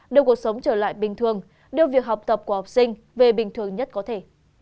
đưa cuộc sống trở lại bình thường đưa việc học tập của học sinh về bình thường nhất có thể